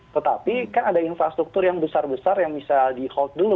tetapi kan ada infrastruktur yang besar besar yang bisa di hold dulu